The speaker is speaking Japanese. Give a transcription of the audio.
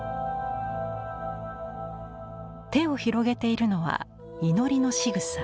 手を広げているのは祈りのしぐさ。